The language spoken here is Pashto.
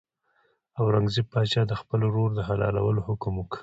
اورنګزېب پاچا د خپل ورور د حلالولو حکم وکړ.